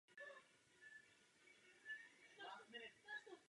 Ráda bych udělala malou odbočku.